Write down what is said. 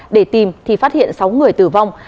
để tìm thì phát hiện sáu người tử vong